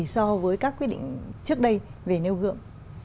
so với các quyết định trước đây về nêu gương